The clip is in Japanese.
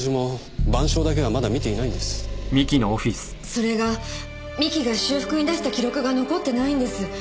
それが三木が修復に出した記録が残ってないんです。